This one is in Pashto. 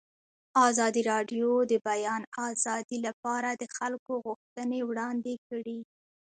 ازادي راډیو د د بیان آزادي لپاره د خلکو غوښتنې وړاندې کړي.